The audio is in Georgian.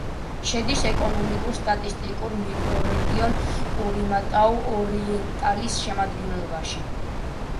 შედის ეკონომიკურ-სტატისტიკურ მიკრორეგიონ კურიმატაუ-ორიენტალის შემადგენლობაში.